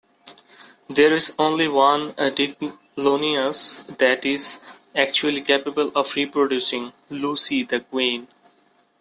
There is only one Diclonius that is actually capable of reproducing: Lucy, the "queen".